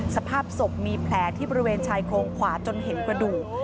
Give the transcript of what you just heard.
สภาพศพมีแผลที่บริเวณชายโครงขวาจนเห็นกระดูก